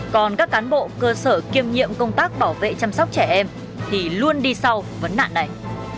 còn các cán bộ cơ sở kiêm nhiệm công tác bảo vệ chăm sóc trẻ em thì luôn đi sau vấn nạn này